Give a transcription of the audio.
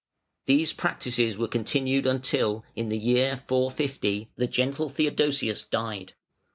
These practices were continued until, in the year 450 the gentle Theodosius died.